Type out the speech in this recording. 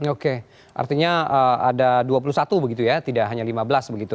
oke artinya ada dua puluh satu begitu ya tidak hanya lima belas begitu